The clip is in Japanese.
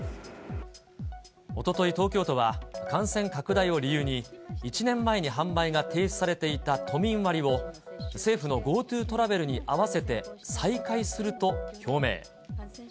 おととい、東京都は感染拡大を理由に、１年前に販売が停止されていた都民割を、政府のＧｏＴｏトラベルに合わせて再開すると表明。